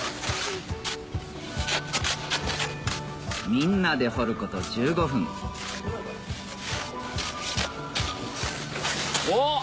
みんなで掘ること１５分おっ！